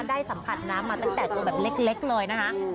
ได้สัมผัสน้ำมาตั้งแต่ตัวแบบเล็กเลยนะคะ